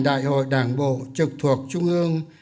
đại hội đảng bộ trực thuộc trung ương